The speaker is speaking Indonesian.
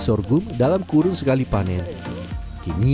sorghum dalam kurun sekali panen kini